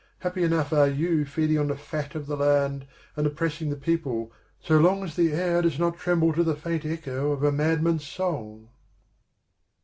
Happy enough are you feeding on the fat of the land, and oppressing the people so long as the air does not tremble to the faint echo of a madman's song."